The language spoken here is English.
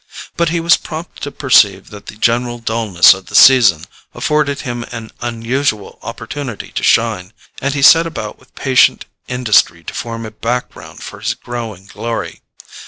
But he was prompt to perceive that the general dulness of the season afforded him an unusual opportunity to shine, and he set about with patient industry to form a background for his growing glory.